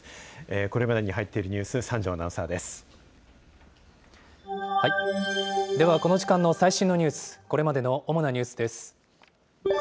これまでに入っているニュース、ではこの時間の最新のニュース、これまでの主なニュースです。